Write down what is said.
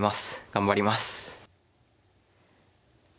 頑張ります！